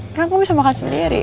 karena aku bisa makan sendiri